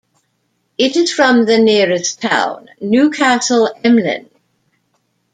It is from the nearest town, Newcastle Emlyn.